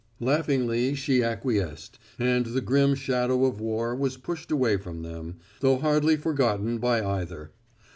Laughingly she acquiesced, and the grim shadow of war was pushed away from them, though hardly forgotten by either.